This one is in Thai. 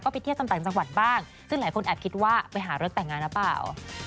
ไปเที่ยวตามต่างจังหวัดบ้างซึ่งหลายคนแอบคิดว่าไปหารถแต่งงานหรือเปล่า